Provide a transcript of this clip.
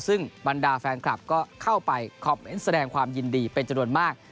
ซึ่งบรรดาแฟนคลับก็เข้าไปคอมเมนต์แสดงความยินดีเป็นจำนวนมาก